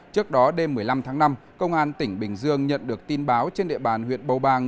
trước đó đêm một mươi năm tháng năm công an tỉnh bình dương nhận được tin báo trên địa bàn huyện bầu bàng